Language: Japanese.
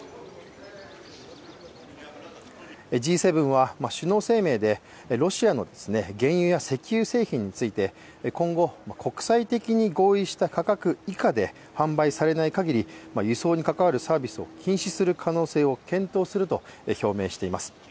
Ｇ７は首脳声明でロシアの原油や石油製品について今後、国際的に合意した価格以下で販売されない限り、輸送に関わるサービスを禁止する可能性を検討すると表明しています。